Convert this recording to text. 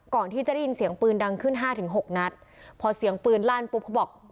ก่อนที่จะได้ยินเสียงปืนดังขึ้นห้าถึงหกนัดพอเสียงปืนลั่นปุ๊บเขาบอก